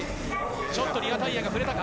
ちょっとリアタイヤが触れたか。